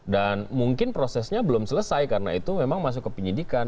dan mungkin prosesnya belum selesai karena itu memang masuk ke penyidikan